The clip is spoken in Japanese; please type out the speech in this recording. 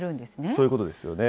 そういうことですよね。